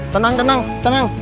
tenang tenang tenang